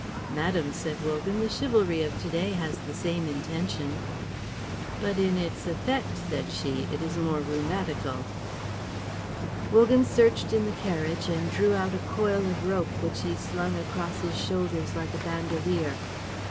"Madam," said Wogan, "the chivalry of to day has the same intention." "But in its effect," said she, "it is more rheumatical." Wogan searched in the carriage and drew out a coil of rope which he slung across his shoulders like a bandolier.